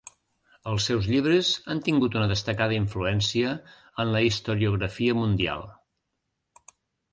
Els seus llibres han tingut una destacada influència en la historiografia mundial.